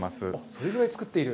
それぐらい作っている。